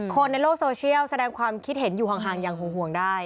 คนในโลกโซเชียลแสดงความคิดเห็นอยู่ห่างอย่างห่วงได้